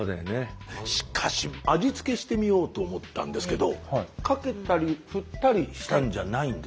しかし味付けしてみようと思ったんですけどかけたり振ったりしたんじゃないんです。